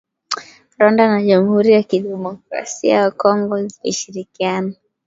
Rwanda na Jamhuri ya kidemokrasia ya Kongo zilishirikiana